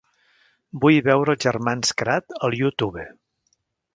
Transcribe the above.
Vull veure els germans kratt al youtube.